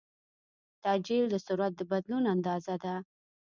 تعجیل د سرعت د بدلون اندازه ده.